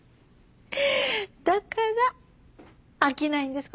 だから飽きないんです